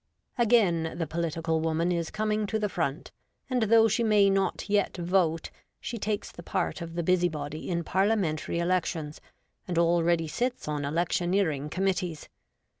Again, the Political Woman is coming to the front, and though she may not yet vote, she takes the part of the busybody in Parliamentary Elec tions, and already sits on Electioneering Com mittees.